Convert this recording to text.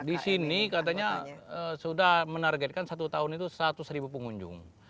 di sini katanya sudah menargetkan satu tahun itu seratus ribu pengunjung